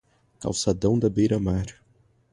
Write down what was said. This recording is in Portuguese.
calçadão da beira mar